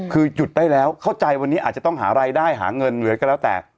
คือหยุดได้แล้วเข้าใจวันนี้อาจจะต้องหารายได้หาเงินเหลือก็แล้วแต่